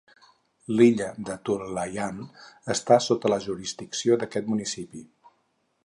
L'illa d'Atulayan està sota la jurisdicció d'aquest municipi.